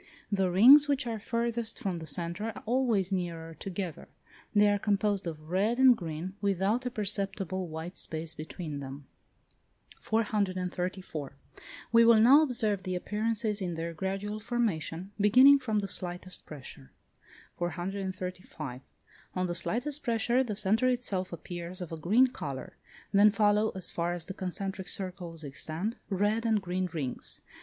The rings which are farthest from the centre are always nearer together: they are composed of red and green without a perceptible white space between them. 434. We will now observe the appearances in their gradual formation, beginning from the slightest pressure. 435. On the slightest pressure the centre itself appears of a green colour. Then follow as far as the concentric circles extend, red and green rings.